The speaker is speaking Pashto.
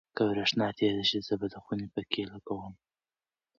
که برېښنا تېزه شي، زه به د خونې پکۍ لګوم.